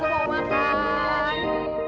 yuk aku mau makan